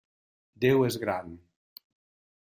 Déu és gran.